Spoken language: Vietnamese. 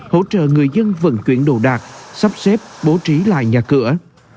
hỗ trợ người dân vận chuyển đồ đạc sắp xếp bố trí lại nhà cửa